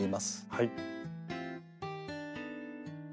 はい。